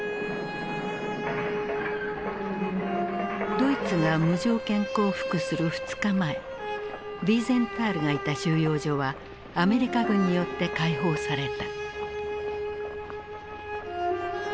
ドイツが無条件降伏する２日前ヴィーゼンタールがいた収容所はアメリカ軍によって解放された。